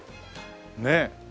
ねえ。